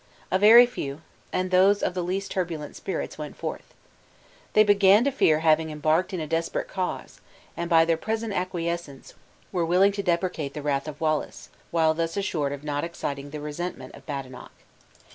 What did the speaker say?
A very few, and those of the least turbulent spirits went forth. They began to fear having embarked in a desperate cause; and, by their present acquiescence, were willing to deprecate the wrath of Wallace, while thus assured of not exciting the resentment of Badenoch.